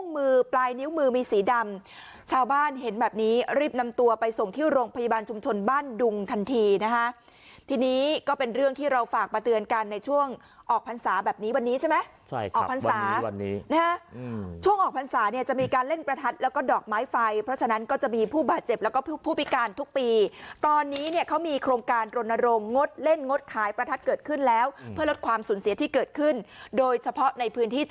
มือมีสีดำชาวบ้านเห็นแบบนี้รีบนำตัวไปส่งที่โรงพยาบาลชุมชนบ้านดุงทันทีนะคะทีนี้ก็เป็นเรื่องที่เราฝากมาเตือนกันในช่วงออกพันษาแบบนี้วันนี้ใช่ไหมใช่ค่ะวันนี้วันนี้ช่วงออกพันษาเนี่ยจะมีการเล่นประทัดแล้วก็ดอกไม้ไฟเพราะฉะนั้นก็จะมีผู้บ่าเจ็บแล้วก็ผู้พิการทุกปีตอนนี้เนี่ยเขามีโครง